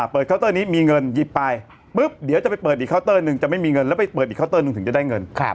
เคาน์เตอร์นี้มีเงินหยิบไปปุ๊บเดี๋ยวจะไปเปิดอีกเคาน์เตอร์หนึ่งจะไม่มีเงินแล้วไปเปิดอีกเคานเตอร์หนึ่งถึงจะได้เงิน